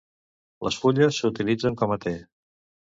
Les fulles s'utilitzen com a te.